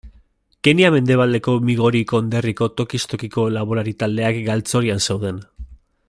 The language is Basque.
Kenya mendebaldeko Migori konderriko tokiz tokiko laborari taldeak galtzorian zeuden.